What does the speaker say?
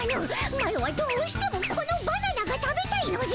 マロはどうしてもこのバナナが食べたいのじゃ。